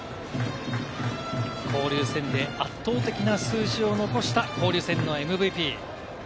交流戦で圧倒的な数字を残した交流戦のＭＶＰ。